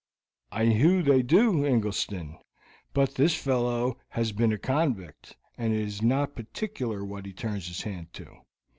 "I hew they do, Ingleston; but this fellow has been a convict, and is not particular what he turns his hand to.